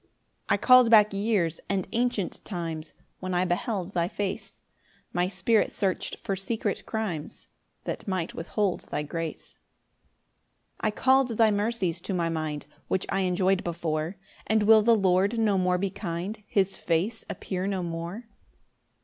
5 I call'd back years and ancient times, When I beheld thy face; My spirit search'd for secret crimes That might withhold thy grace. 6 I call'd thy mercies to my mind Which I enjoy'd before; And will the Lord no more be kind? His face appear no more?